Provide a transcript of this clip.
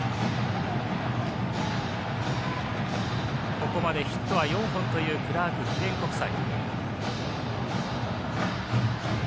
ここまでヒットは４本というクラーク記念国際。